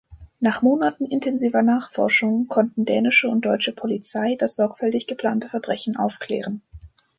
Nach Monaten intensiver Nachforschung konnten dänische und deutsche Polizei das sorgfältig geplante Verbrechen aufklären.